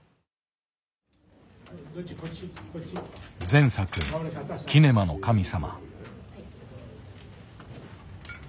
前作「キネマの神様」。